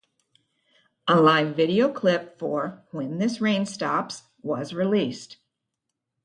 A live video clip for "When This Rain Stops" was released.